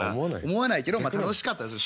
思わないけど楽しかったです